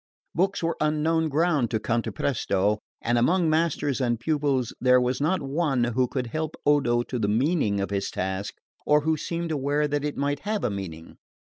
Books were unknown ground to Cantapresto, and among masters and pupils there was not one who could help Odo to the meaning of his task, or who seemed aware that it might have a meaning.